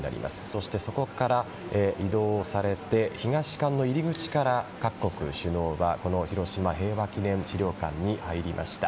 そして、そこから移動されて東館の入り口から各国首脳がこの広島平和記念資料館に入りました。